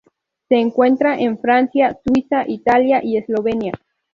Se encuentra en Francia, Suiza, Italia y Eslovenia.